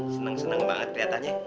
seneng seneng banget keliatannya